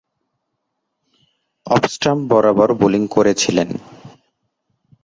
Off stump বরাবর bowling করেছিলেন।